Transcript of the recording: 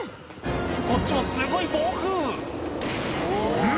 こっちもすごい暴風雨うん？